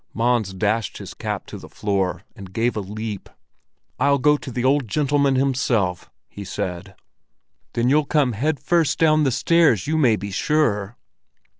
Mons dashed his cap to the floor and gave a leap. "I'll go up to the Old Gentleman himself," he said. "Then you'll come head first down the stairs, you may be sure!"